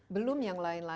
belum yang lain lain